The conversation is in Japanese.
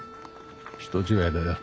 人違いだよ。